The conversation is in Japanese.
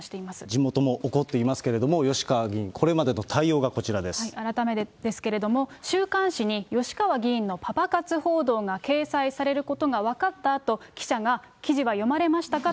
地元も怒っていますけれども、吉川議員、改めてですけれども、週刊誌に吉川議員のパパ活報道が掲載されることが分かったあと、記者が、記事は読まれましたか？